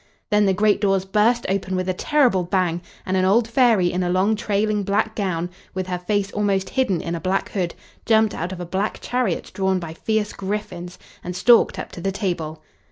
Then the great doors burst open with a terrible bang, and an old fairy in a long trailing black gown, with her face almost hidden in a black hood, jumped out of a black chariot drawn by fierce griffins, and stalked up to the table.